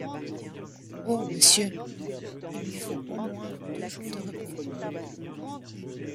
Oh ! monsieur ! il lui faut au moins deux jours de repos.